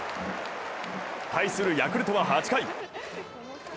対するヤクルトは８回。